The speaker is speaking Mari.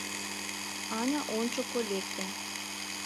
Аня ончыко лекте.